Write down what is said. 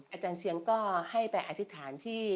อาจารย์เชียงก็ให้ไปอธิษฐานที่